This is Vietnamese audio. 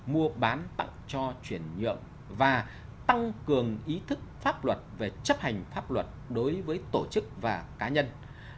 mua bán tặng cho chuyển nhượng và tăng cường ý thức pháp luật về chấp hành pháp luật đối với tổ chức và cá nhân